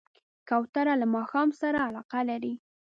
کوتره له ماښام سره علاقه لري.